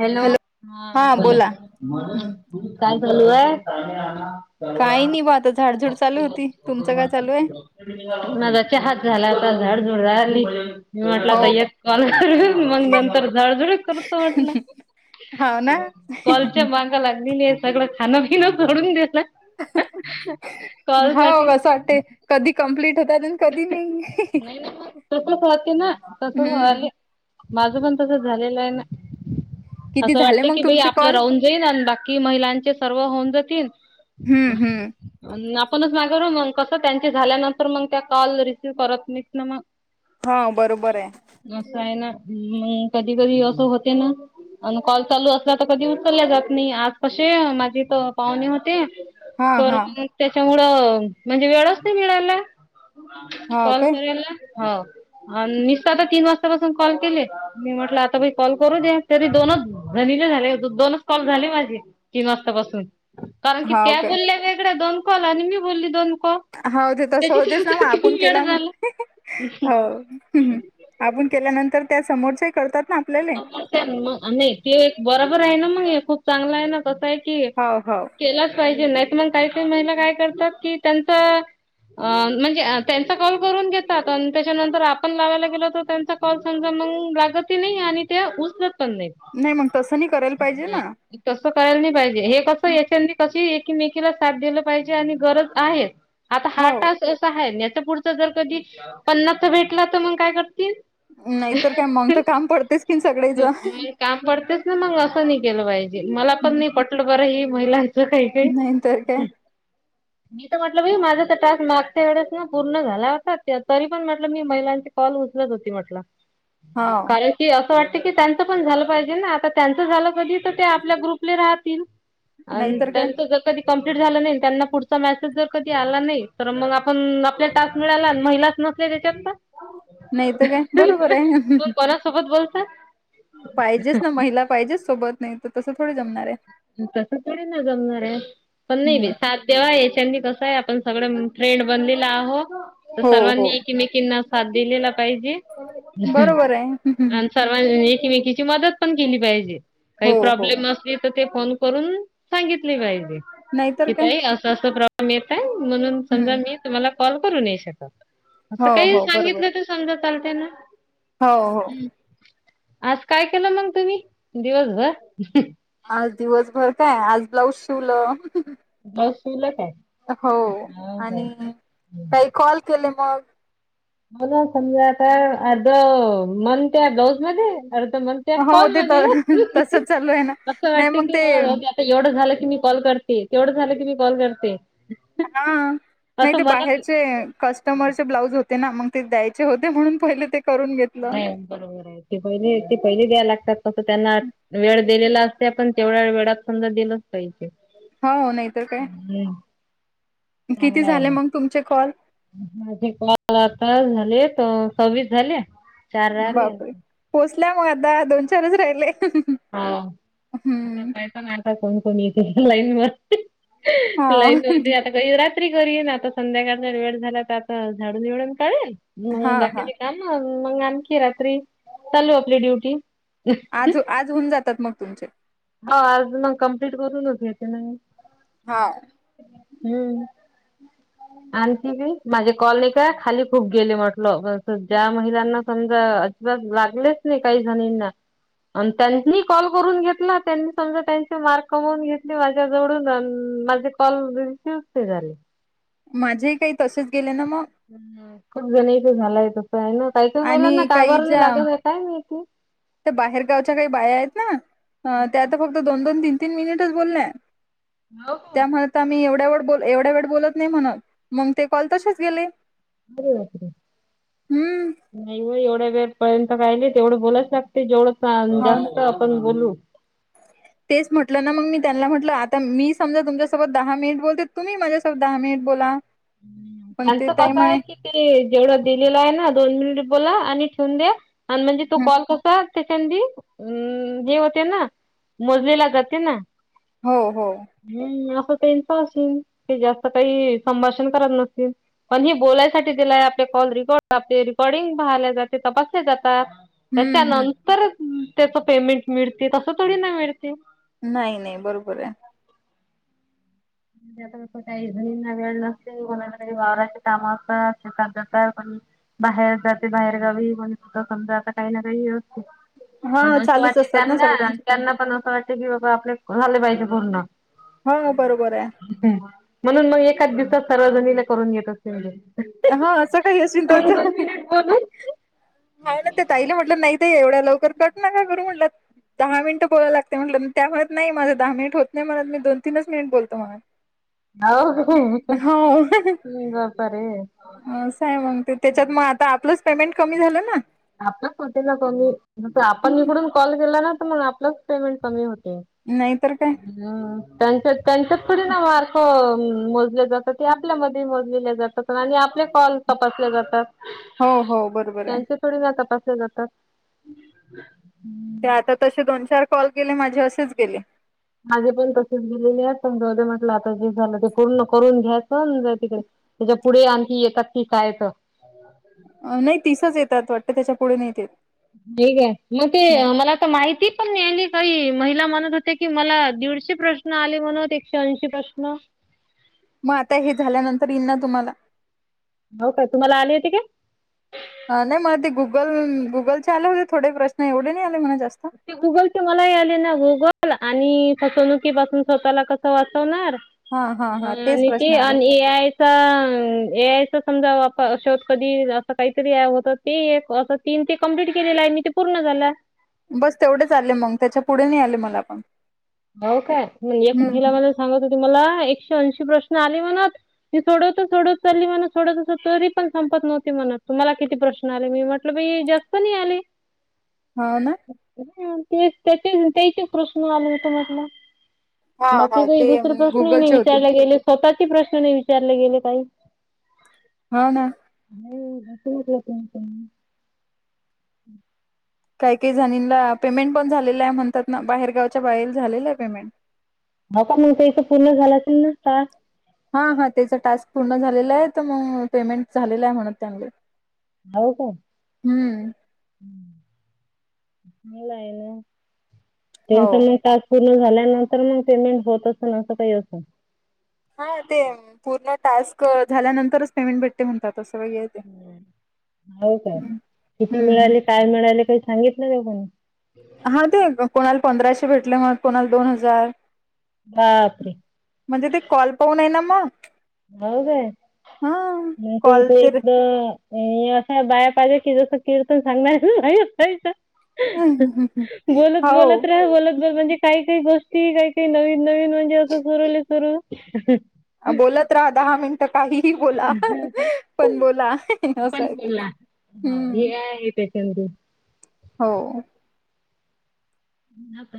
Hello बोला काय बोलू आहे. काही नाही बात. च्या हात झाला आता झाड. ड झाली मी म्हटलं आता हो काय एक कॉल कर मग नंतर झाडझुड करतो म्हटलं. हाव ना कलच्या मांगा लागलेली आहे सगळं खाणं पिणं सडून देत. कॉल हा सा असं वाटते कधी कंप्लीट होतात आणि कधी नाही नाहीकुल खात ना तस हम्म खवाली. माझं पण तसं झालेलं आहे ना. किती असं झाले वाटत मग की बाई तुमचे आपलं कॉल राहून जाईन आणि बाकी महिलांचे सर्व होऊन जील. हम्म हम्म. आपणच माग मग कस त्यांची झाल्यानंतर मग त्या कॉल रिसीव करत नाहीत ना मग. हा बरोबर आहे असं आहे ना मग कधी कधी असं होते ना. आणि कॉल चालू असला तर कधी उचलल्या जात नाही आज कसे माझी तर पाहुणे होते. हा पण हा त्याच्यामुळं म्हणजे वेळच नाही मिळायला. हाव कॉल काय करला. हो नसत आता तीन वाजतापासून कॉल केले मी म्ह. टलं आता कॉल करू द्या तरी दोन नीले झाले हो दोनच कॉल झाले माझे तीन वाजतापासून. कारण की हाव त्या काय बोलल्या वेगळ्या दोन कल आणि मी बोलली दोन. कॉल हा त स. त्याच्यात आप किती वेळ झाला. आप केल्यानंत त्या समोरचे करतात. ना आपल्याले नाही ते एक बरोबर आहे ना मग हे खूप चांगलं आहे ना. तस आहे की हो हो केलाच पाहिजे नाहीत मग काहीतरी महिला काय करतात कि त्यांचा अ म्हणजे त्यांचा कॉल करून घेतात आणि त्याच्यानंतर आपण लावायला गेलो तर त्यांचा कॉल सम लागत नाही आणि त्या [unintelligible] पण नाई नाही मग तसं नाही करायला पाहिजे ना तस करायला नाही पाहिजे हे कस याच्या कशी एकीमेकीला साथ द्यायला पाजे आणि गरज आहे आता हा हो टॅक्स असा आहे. पुढच जर कधी पन्नासचा भेटला तर, मग काय करतील? नाहीतर काय मग तर काम पडतेच. की सगळेच काम पडतेच ना मग असं नाही केलं पाहिजे. मला पण नाही पटलं बर हे. महिलांच काही काही नाहीतर काय मी म्हटलं माझा तर टास्क मागच्या वेळेस ना पूर्ण झाला होता. तरी पण म्हटलं मी महिलांची कॉल उचलत होती. म्हटलं. हा कारण की असं वाटत की त्यांचं पण झालं पाहिजे ना आता त्यांचं झालं कधी तर ते आपल्या ग्रुपले राहतील. अनं नाहीतर काय त्यांत ज कधी - - कम्प्लीट झालं नाही. त्यांना पुढ मसेज जर कधी आला नाही तर, मग आपण आप टास्क मिळाला महिला - - नसलेच्या- - नाहीतर काय बरोबर हाय. मग कोणासोबत बोलतात. पाहिजेच ना महिला पाहिजेच सोबत नाही तर, तसं थोडे जमणारयं. तस थोडी ना जमणारयं पण नाही बे हम्म. सात देवा आहे. त्यांनी कस आहे, आपण सगळ ट्रेंड बनलेला आहो तर हो सर्वांनी हो एकीमेकींना दिलेला पाहिजे बरोबर आहे आणि सर्वां [unintelligible] एकीमेकीची मदत पण केली पाहिजे. काही हो हो प्रब्लेम असतील तर ते फोन करून सांगितले पाहिजे. नाहीतर की काय ताई अस अस प्रॉब्लेम येत हाय. म्हणून हम्म. समजा मी तुम्हाला कॉल करून नाही शकत अस हो काही हो बरोबर सांगितल तर समज चालतयं ना. हो, हो. आज काय केलं मग तुम्ही दिवसभर? आज दिवसभर काय आज ब्लाऊज शिवलं. ब्लाऊज शिवलं काय? हो आणि काही कॉल केले. [unintelligible] बला समजा आता अध मन त्या ब्लाऊज मध्ये अर्थ मन त्या हो कॉल ते मध्ये तर तसच चालू आहे ना असं नाही वाटते मग की ते आता एवढं झालं- - मी कॉल करते. तेवढं झालं की मी कॉल करते. हा. नाही असं ते मनात बाहेरचे कस्टमरचे ब्लाउज होते ना मग. ते द्यायचे होते म्हणून पहिले ते करून घेतलं. बरोबर आहे ते पहि ते पहिले द्या लागतात तस त्यांना वेळ दिलेला असते पण तेवढ्या वेळात समजा दिलंच पाहिजे. हो. नाहीतर काय हम्म, किती चांगलं आहे झाले ना. मग तुमचे कॉल? माझे काल आता झाले त सव्वीस झाले. चार राहिले. बापरे. [unintelligible] मग आता दोन चारच राहिले. हा आता हम्म. काय प ना आता कोण कोणी इथे लाईन म - - हा. लाइन मध्ये आता का येऊरात - [unintelligible] संध्याकाळ वेळ झाला तर आ झाडडून काढेल हा बाकी हा काम - - मग आणखी रात्री चालू आपली ड्युटी. आज आज होऊन जातात मग तुमचे. हो. आज मग कम्प्लीट करूनच घेते नाही. हा. हम्म. [inaudible] आण ती बी, माझे कॉल नी काय खाली खूप गेले म्हटलं ज्या महिलांना समजा लागलेच नाही काही जणींना, अन् त्यांनी कॉल करून घेतला त्यांनी समजा त्यांचे मार्क कमवून घेतले माझ्या जवळून अन, माझे कॉल रिसिवच नाही झाले. माझे ही काही तसेच गे खूप जण इथं दहाला येत तसं आहे ना काहीकाही महिलाना आणि काही तासभर भी ज्या लागत अस काय काय माहिती त्या बाहेरगावच्या काही बाया आहेत. ना त्या आता फक्त दोन दोन तीन तीन मिनिटच बोलल्या हो का त्यामुळे एवढ एढ्या वेळ एवढ्या वेळ बोलत नाही हे म्हणत मग ते कॉल तसेच गेले. अरे बापरे हम्म नाही हो एवढ्या वेळ पर्यंत काहिले तेवढं बोलाच लागते जेवढं जास्त आपण बोलू ह तेच म्हटलं ना मग मी त्यांना म्हटलं. आता मी समजा तुमच्यासोबत दहा मिनिट बोलते. तुम्ही माझ्यासोबत दहा मिनिट बोला. पण त्यांच ते ताई कस म्हणे आहे कि ते जेवढं दिलेलं आहे ना दोन मिनिट बोला आणि ठेवून द्या आणि म्हणजे तो हं, कॉल कसा त्याच्या आंधी हे होते ना मोजलेला जाते ना. हो हो हम्म, असं त्यांच असन ते जास्त काही संभाष [unintelligible] पण जे बोलायसाठी दिलाय आपले कॉल रेकॉर्ड होतात ते रेकॉर्डिंग पाहायले जाते, तपासले जात त्याच्या हम्म हम्म नंतर त्याचं पेमेंट मिळते तसं थोडी मिळ नाही नाही बरोबर आहे. आता मी पण ताई काही जणींना वेळ लागतय आवरायचं काम असतात शेतात जायचं. बाहेर जाते बाहेर गावी म्हण सुद्धा समजा आता काही ना काही असते हा पण असं चालूच वाटते असतात ना त्यांना सगळ्यांचे त्यांना पण असं वाटते की बाबा आपले झाले पाहिजे पूर्ण हा बरोबर आहे ह म्हणून मग एकाच दिवसात सर्वजणीला करून घेत असती मी ने हा सकाळी असून त्याच बोलून नाही ना ते ताईला म्हटलं नाहीत एवढ्या लवकर कट नाक करू म्हटलं. दहा मिनटं बोलायला लागते म्हटलं त्या म्हणत नाही माझं दहा मिनिट होत नाही म्हणत मी दोन तीनच मिनिट बोलतो म्हणून ह ह बाप रे असं आहे. म्हणते त्याच्यात मग आता आपलंच पेमेंट कमी झालं ना. आपलंच होते. ना कमी आपण हम्म, इकडून कॉल केला ना तर मग आपलंच पेमेंट कमी होत. नाही तर काय त्यांच्या त्यांच्यात थोडं ना मार्क मोजले जातात ते आपल्यामध्ये मोजलेल्या जातात आणि आपण आपले कॉल तपासले जातात. हो हो बरोबर आहे, त्यांचे थोडी तपासले जातात. ते आता तसे दोन चार कॉल केले माझे असेच गेले. माझे पण तसेच गेलेले आहेत पण म्हटलं आता जे झालं ते पूर्ण करून घ्यायाच जाउदे तिकडे त्याच्या पुढे आणखी येतात की काय तर, अ नाही तिसच येतात वाटत त्याच्या पुुढे नाहीेते. हेक आहे मग ते मला तर माहिती पण नाही काही महिला म्हणत होते की मला दीडशे प्रश्न आले म्हणत एकशे ऐशी प्रश्न मग आता हे झाल्यानंतर येईन ना तुम्हाला हो का तुम्हाला आली होती का. नाही मला ते गुगल गुगल चे आले होते थोडे प्रश्न एवढे नाही आले म्हणा जास्त ते गुगल ते मलाही आले ना गुगल आणि फसवणुकीपासून स्वतःला कसं वाचवणार. हा हा ह हा तेच आणि ते प्रश्न आले आणि ए आयचा ए आय समजावा श कधी अस काहीतरी होत ते अस तीन ते कंप्लीट केलेलं आहे मी ते पूर्ण झाला बस तेवढेच आले मग त्याच्या पुढे नाही आले मला पण, हो, काय म्हणजे एक महिला हम्म मला सांगत होती मला एक दोनशे प्रश्न आले म्हणत मी सोडत सोडत चालली म्हणत सोडत तरी पण संपत नव्हती म्हणत मला किती प्रश्न आले मी म्हटलं जास्त नाही आले हो ना. ह ते त्याचे त्याचे प्रश्न आले होता म्हटलं हा बागकी हा काही ते दुसरे प्रश्न नाही गुगलचे होते विचारयला गेले स्वतः ती प्रश्न नाही विचारले गेले काही. हो ना. नाही घसटलं त. काय काही जाणींला पेमेंट पण झालेलं आहे म्हणतात ना बाहेरगावच्या बाहेर झालेलं आहे पेमेंट ह का मग ते इथे पूर्ण झालं असेल का. हा हा त्याचा टास्क पूर्ण झालेला आहे तर मग पेमेंट झालेलं आहे म्हणत त्यांगली हो का मला आहे ना त्यां हो. मग टास्क पूर्ण झाल्यानंतर मग पेमेंट होत असे असं काही अस हा ते पूर्ण टास्क झाल्यानंतरच पेमेंट भेटते म्हणतात. असं वगैरे ते. हो का हम्म किती हम्म. मिळाले काय मिळाले काही सांगितलं नाही का. हा ते कोणाला पंधराशे भेटले मग कोणाला दोन हजार. बापरे म्हणजे ते कॉल पाहून आहे ना मग. हो काय हा म्ह कॉल इथे तर एकदा असा बाया पाहिजे की जसं कीर्तन सांगणार नाही अस. बोलत बोलत हो. राहा बोलत बोल म्हणजे काही काही गोष्ट काय काही नवीन नवीन म्हणजे असं सुरवले सुरू बोलत राहा दहा मिनिट. काहीही बोला पण बोला असय ते हाव ऐ हम्म आय आहे त्याच्यामध्ये हो.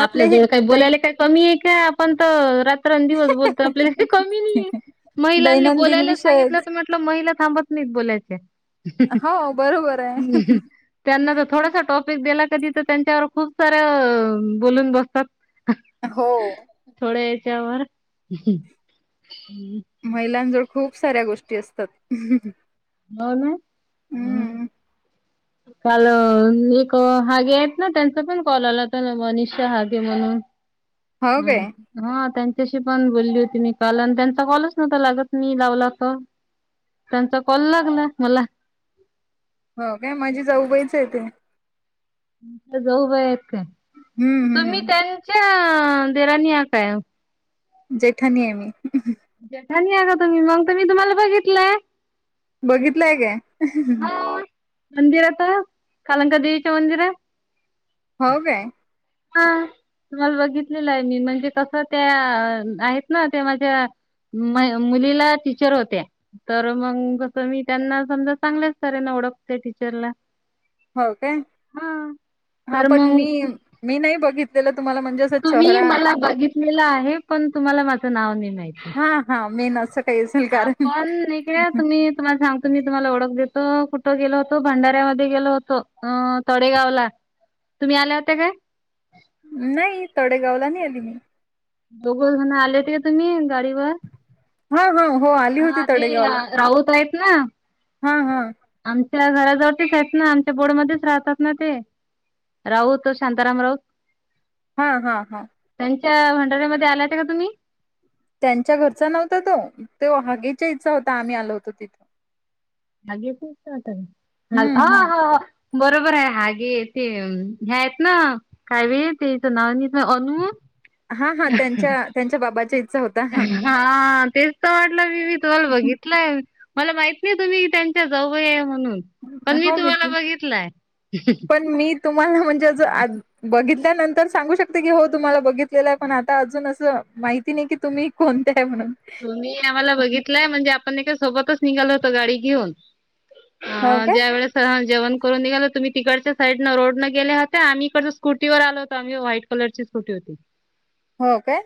आपल्या आपले हे जवळ काही दै बोलायला काय कमी आहे का आपण तर रा रात्रंदिवस बोलतो आपल्याले काही कमी नाही महिलाले दैनंदिन बोलायले विषयच सांगितलं म्हटल तर महिला थांबत नाही बोलायचे हो बरोबर आहे. त्यांना चा थोडासा टॉप ला कधी तर त्यांच्यावर खूप सऱ्या बोलून बसतात. हो. त्यावर महिलांजवळ खूप साऱ्या गोष्टी असतात. हो ना हम्म. काल एक हागे आहेत ना त्यांचा पण कॉल आला होता मनषा हागे म्हणून हो काय हम्म हा त्यां त्याशी पण बोलली होती मी काल आणि त्यांचा कॉलच नवता लागत नाही लावला तर त्यांचा कॉल लागला मला. हो काय म्हणझे जाऊबाईच आहे ते जाऊ आहेत का हम्म तुम्ही हम्म त्यांच्या ह देराणी या काय जेठाणी आहे मी जेठाणी आहे का तुम्ही मग तर मी तुम्हाला बघितलंय. बघितलंय काय मंदिर आता कलंका देेवीच्या मंदिरात हो काय? [unintelligible] तुम्हाला बघितलेलं आहे मी म्हणजे कसं त्या आहेत ना ते माझ्या म मुलीला टीचर होत्या तर मंग कस मी त्यांना समजा चांगल्याच तऱ्हेन ओडखते टीचरला. हो काय हा. हां तर पण मग मी-मी नाही बघितलेलं. तुम्हाला म्हणजे असं तुम्ही चेहरा मला बघितलेलं आहे पण तुम्हाला माझं नाव नाही माहित हां हां मी न आपण निघळे तुम्ही तुम्हाला सांग तर मी तुम्हांला ओळख देतो कुठं गेलो होतो भंडाऱ्यामध्ये गेलो होतो अ तडेगावला. तुम्ही आल्या होत्या काय? नाही तडेगावला नाही आली मी. दोघ जण आले होते का तुम्ही गाडीवर? हो, हो, हो आली होती हा ते तडेगावला. राऊत आहेत हां हां. त्या घराजवळ तेच आहेत ना आमच्या बोडमध्येच राहतात ना ते. राऊत शांताराम राऊत. हां हां हां. तिथं भंडऱ्या मध्ये आलाता का तुम्ही? त्यांच्या घरचा नव्हता तो त्यो हागीच्या हेचा होता आम्ही आलो होतो तिथं. हागीच हेचा होता हम्म हम्म काय? बरोबर आहे हागे ते ह्या आहेत ना काय बाई तेचं नाव नई ह अनु. हा हा त्यांच्या त्यांच्या बाबाच्या इच्छा होता हा हां तेच तर म्हटलं मी बी तुम्हाला बघितलंय. मला माहित नाही तुम्ही की त्यांच्या जाऊबाई आहे म्हणून. पण हो मी तुम्हाला बघितलाय. पण मी तुम्हाला म्हणजे अस आ बघितलं त्यानंतर सांगू शकते की हो तुम्हाला बघितलेल आहे पण आता अजून असं माहिती नाही की तुम्ही कोण त्या? तुम्ही आम्हाला बघितलंय म्हणजे आपण एकदा सोबतच निघालो होतो गाडी घेऊन. हो हां काय ज्या वेळेस सहल जेवण करून निघाले होतो तुम्ही तिकडच्या साईड न रोड न गेल्या होत्या. आम्ही इकडंच्या स्कूटी वर आलो होतो आम्ही व्हाईट कलरची स स्कूटी होती. हो काय?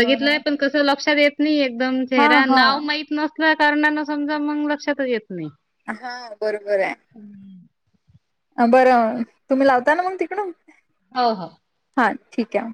हो ना पण कस लक्षात येत नाही एकदम हा चेहरा हा नाव माहित नस त्या कारणान समजा मग लक्षातच येत नाही. हां बरोबर आहे. अ बरं तुम्ही लावता ना मग तिकडुन? हो हो. हां ठीक आहे.